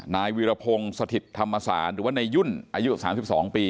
นายวีรพงศ์สถิตธรรมศาลหรือว่านายยุ่นอายุ๓๒ปี